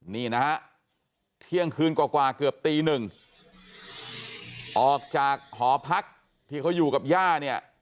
นี่นะฮะเที่ยงคืนกว่าเกือบตีหนึ่งออกจากหอพักที่เขาอยู่กับย่าเนี่ย